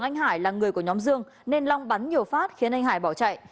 anh hải là người của nhóm dương nên long bắn nhiều phát khiến anh hải bỏ chạy